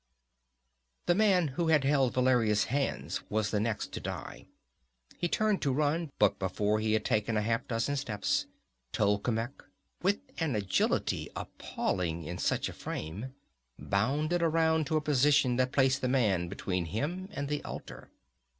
The man who had held Valeria's hands was the next to die. He turned to run, but before he had taken half a dozen steps, Tolkemec, with an agility appalling in such a frame, bounded around to a position that placed the man between him and the altar.